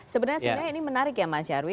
sebenarnya ini menarik ya mas nyarwi